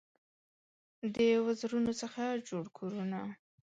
د وزرونو څخه جوړ کورونه